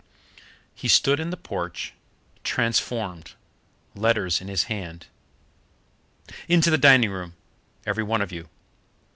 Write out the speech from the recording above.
He stood in the porch, transformed, letters in his hand. "Into the dining room, every one of you.